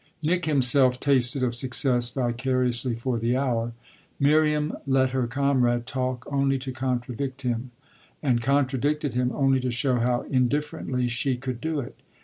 Nick himself tasted of success vicariously for the hour. Miriam let her comrade talk only to contradict him, and contradicted him only to show how indifferently she could do it.